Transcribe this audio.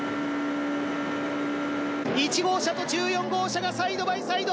１号車と１４号車がサイドバイサイド！